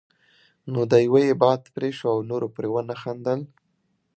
نو د يوه یې باد پرې شو او نورو پرې ونه خندل.